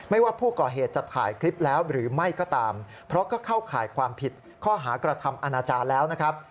ว่าผู้ก่อเหตุจะถ่ายคลิปแล้วหรือไม่ก็ตามเพราะก็เข้าข่ายความผิดข้อหากระทำอาณาจารย์แล้วนะครับ